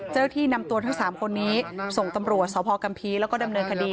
เจ้าหน้าที่นำตัวทั้ง๓คนนี้ส่งตำรวจสพกัมภีร์แล้วก็ดำเนินคดี